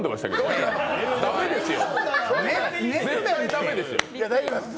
絶対だめですよ！